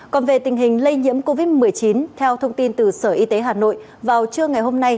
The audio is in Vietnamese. còn về tình hình lây nhiễm covid một mươi chín theo thông tin từ sở y tế hà nội vào trưa ngày hôm nay